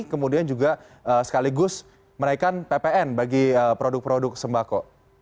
kemudian juga sekaligus menaikkan ppn bagi produk produk sembako